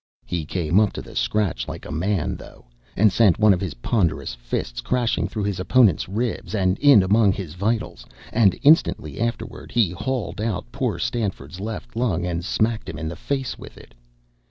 He came up to the scratch like a man, though, and sent one of his ponderous fists crashing through his opponent's ribs and in among his vitals, and instantly afterward he hauled out poor Stanford's left lung and smacked him in the face with it.